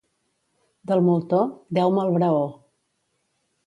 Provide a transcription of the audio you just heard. Del moltó, deu-me el braó.